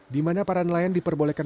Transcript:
di mana para nelayan diperbolehkan